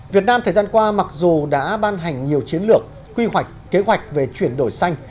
việt nam thời gian qua mặc dù đã ban hành nhiều chiến lược quy hoạch kế hoạch về chuyển đổi xanh